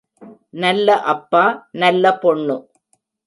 நல்ல அப்பா, நல்ல பொண்ணு!